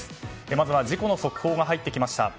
まずは事故の速報が入ってきました。